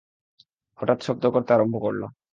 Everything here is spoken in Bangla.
হঠাৎ শব্দ করতে আরম্ভ করলো।